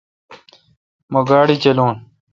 مہ گاڑی چلاو۔